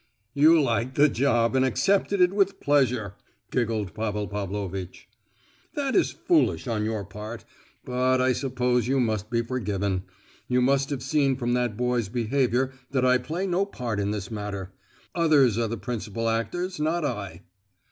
"You liked the job, and accepted it with pleasure," giggled Pavel Pavlovitch. "That is foolish on your part; but I suppose you must be forgiven. You must have seen from that boy's behaviour that I play no part in this matter. Others are the principal actors, not I!"